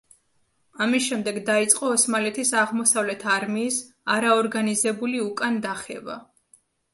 ამის შემდეგ დაიწყო ოსმალეთის აღმოსავლეთ არმიის არაორგანიზებული უკან დახევა.